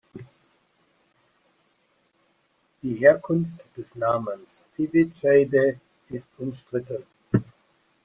Die Herkunft des Namens „Pivitsheide“ ist umstritten.